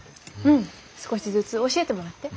うん少しずつ教えてもらって。